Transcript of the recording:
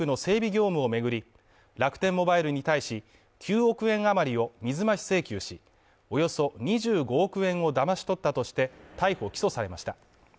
業務を巡り、楽天モバイルに対し９億円余りを水増し請求し、およそ２５億円をだまし取ったとして逮捕・起訴されました。